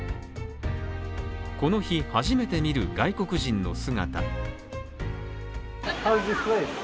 この日、初めて見る外国人の姿。